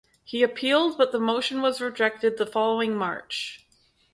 He appealed, but the motion was rejected the following March.